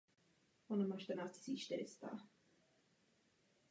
Stal se tak tedy postavou přijatelnou pro obě strany konfliktu.